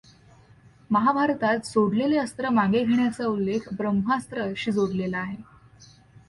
महाभारतात सोडलेले अस्त्र मागे घेण्याचा उल्लेख ब्रम्हास्त्रा शी जोडलेला आहे.